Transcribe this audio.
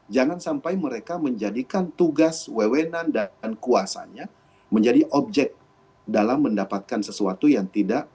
jangan sampai mereka menjadikan tugas wewenan dan kuasanya menjadi objek dalam mendapatkan sesuatu yang tidak